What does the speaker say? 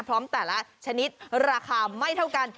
พร้อมแต่ละชนิดราคาไม่เท่ากัน